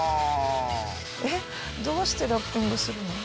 どうしてラッピングするの？